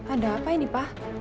ada apa ini pak